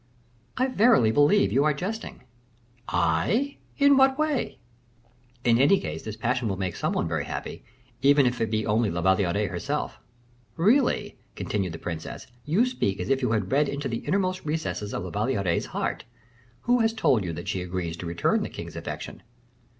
"I verily believe you are jesting." "I! in what way?" "In any case this passion will make some one very happy, even if it be only La Valliere herself." "Really," continued the princess, "you speak as if you had read into the inmost recesses of La Valliere's heart. Who has told you that she agrees to return the king's affection?"